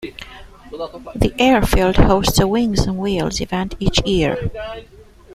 The airfield hosts a Wings and Wheels event each year.